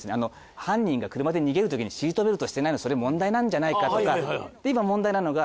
犯人が車で逃げるときにシートベルトしてないのそれ問題なんじゃないかとか今問題なのが。